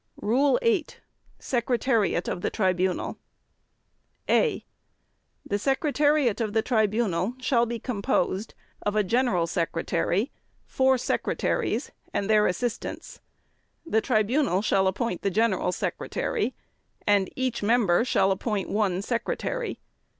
Rule 8. Secretariat of the Tribunal. (a) The Secretariat of the Tribunal shall be composed of a General Secretary, four Secretaries and their Assistants. The Tribunal shall appoint the General Secretary and each Member shall appoint one Secretary.